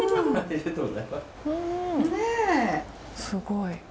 すごい。